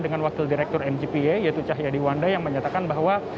dengan wakil direktur mgpa yaitu cahyadi wanda yang menyatakan bahwa